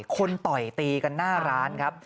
ต่อยตีกันหน้าร้านครับ